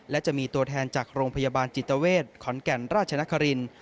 และจะมีตัวแทนจากโรงพยาบาลจิตเวทขอนแก่นราชนครินทร์